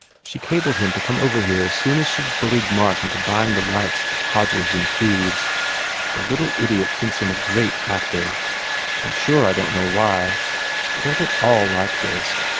She cabled him to come over here as soon as she d bullied Mark into buying the rights to Todgers Intrudes/ The little idiot thinks him a great actor. I m sure I don t know why. I don t at all like this.